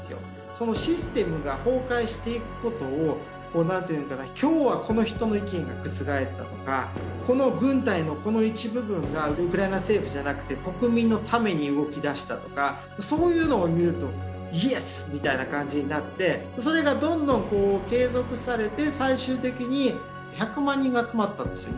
そのシステムが崩壊していくことを何ていうのかな今日はこの人の意見が覆ったとかこの軍隊のこの一部分がウクライナ政府じゃなくて国民のために動きだしたとかそういうのを見ると「イエス！」みたいな感じになってそれがどんどん継続されて最終的に１００万人が集まったんですよ